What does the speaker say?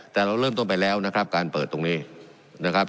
แต่เราเริ่มต้นไปแล้วนะครับการเปิดตรงนี้นะครับ